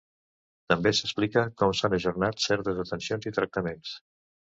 També s’explica com s’han ajornat certes atencions i tractaments.